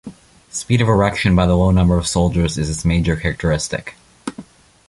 Speed of erection by the low number of soldiers is its major characteristic.